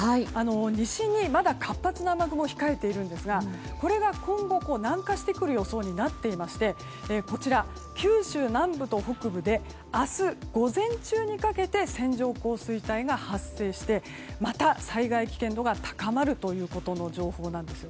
西にまだ活発な雨雲が控えているんですがこれが今後、南下してくる予想になっていましてこちら、九州南部と北部で明日午前中にかけて線状降水帯が発生してまた災害危険度が高まるということの情報なんです。